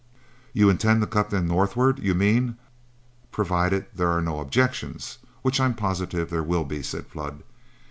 "You intend to cut them northward, you mean, provided there are no objections, which I'm positive there will be," said Flood.